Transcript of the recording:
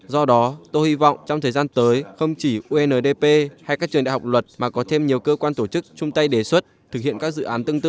do đó tôi hy vọng trong thời gian tới không chỉ undp hay các trường đại học luật mà có thêm nhiều cơ quan tổ chức chung tay đề xuất thực hiện các dự án tương tự